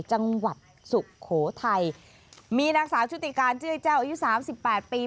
จังหวัดสุโขทัยมีนักศาลชุติการเจ้าอายุ๓๘ปี